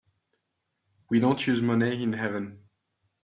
We don't use money in heaven.